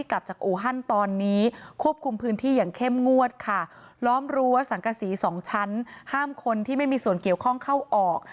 ล้อมรู้ว่าสังกษี๒ชั้นห้ามคนที่ไม่มีส่วนเกี่ยวข้องเข้าออก